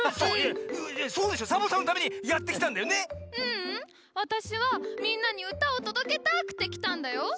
ううん。わたしはみんなにうたをとどけたくてきたんだよ。